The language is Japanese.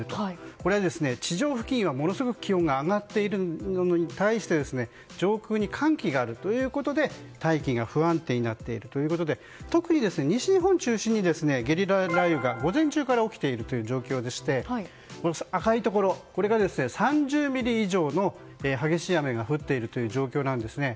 これは、地上付近はものすごく気温が上がっているのに対して上空に寒気があるということで大気が不安定になっているて特に西日本を中心にゲリラ雷雨が午前中から起きているという状況でして赤いところは３０ミリ以上の激しい雨が降っている状況なんですね。